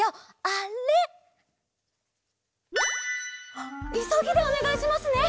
あっいそぎでおねがいしますね。